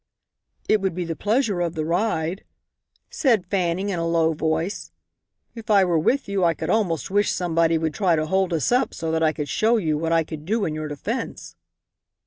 "It would be the pleasure of the ride," said Fanning, in a low voice. "If I were with you I could almost wish somebody would try to hold us up so that I could show you what I could do in your defence."